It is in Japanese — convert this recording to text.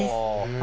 あ！